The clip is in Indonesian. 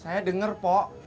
saya denger pok